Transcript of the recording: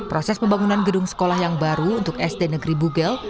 proses pembangunan gedung sekolah yang baru untuk sd negeri bubel